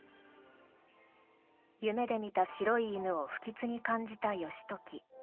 夢で見た白い犬を不吉に感じた義時。